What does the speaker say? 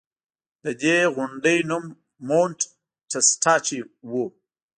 د دې غونډۍ نوم مونټ ټسټاچي و